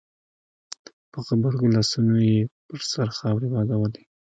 په غبرګو لاسونو يې پر سر خاورې بادولې.